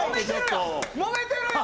もめてるよ！